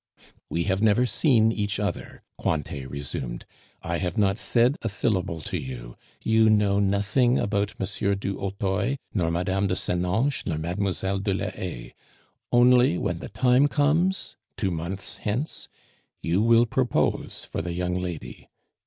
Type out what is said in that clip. "We have never seen each other," Cointet resumed; "I have not said a syllable to you; you know nothing about M. du Hautoy, nor Mme. de Senonches, nor Mlle. de la Haye; only, when the time comes, two months hence, you will propose for the young lady.